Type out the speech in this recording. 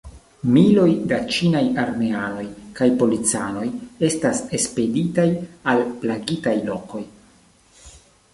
Miloj da ĉinaj armeanoj kaj policanoj estas ekspeditaj al plagitaj lokoj.